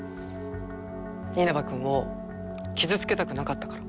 稲葉君を傷つけたくなかったから。